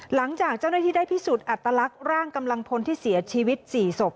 หลังจากเจ้าหน้าที่ได้พิสูจน์อัตลักษณ์ร่างกำลังพลที่เสียชีวิต๔ศพ